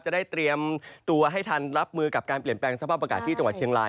จะได้เตรียมตัวให้ทันรับมือกับการเปลี่ยนแปลงสภาพอากาศที่จังหวัดเชียงราย